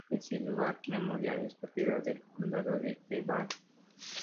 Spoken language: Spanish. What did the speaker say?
El Civil War Memorial es propiedad del condado de DeKalb.